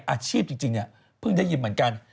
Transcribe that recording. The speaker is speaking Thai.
อาชีพจริงเนี่ยเพิ่งได้ยินเหมือนกัน